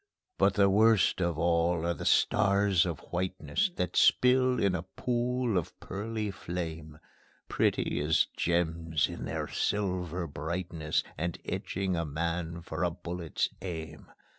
But the worst of all are the stars of whiteness, That spill in a pool of pearly flame, Pretty as gems in their silver brightness, And etching a man for a bullet's aim.